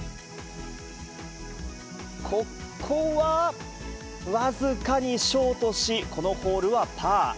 ここは僅かにショートし、このホールはパー。